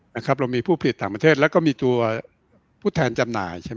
เรามีผู้ผิดต่างประเทศแล้วก็มีตัวผู้แทนจำหน่ายใช่ไหม